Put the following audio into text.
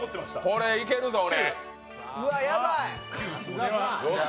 これはいけるぞ、俺。